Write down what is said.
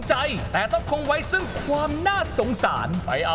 เหนือตัวหน้าใส